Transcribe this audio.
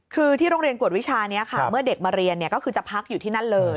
คือที่โรงเรียนกวดวิชานี้ค่ะเมื่อเด็กมาเรียนก็คือจะพักอยู่ที่นั่นเลย